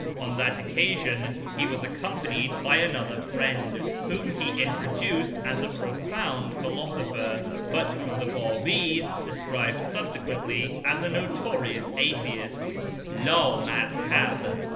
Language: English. On that occasion he was accompanied by another friend, whom he introduced as a profound philosopher, but whom the Babi's described subsequently as a notorious atheist (Id maz hab).